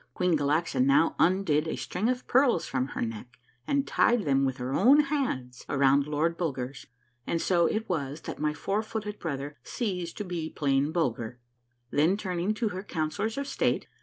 Queen Galaxa now undid a string of pearls from her neck and tied them with her own hands around Lord Bulger's — and so it was that my four footed brother ceased to be plain Bulger. Then turning to her counsellors of state.